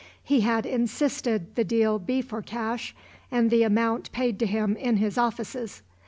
He had insisted the deal be for cash and the amount paid to him in his offices.